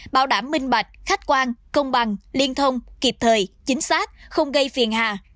bảo đảm minh bạch khách quan công bằng liên thông kịp thời chính xác không gây phiền hà